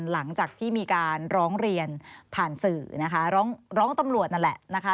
หลังจากที่มีการร้องเรียนผ่านสื่อนะคะร้องตำรวจนั่นแหละนะคะ